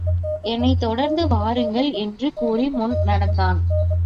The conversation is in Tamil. என்னைத் தொடர்ந்து வாருங்கள் என்று கூறி முன் நடந்தான்.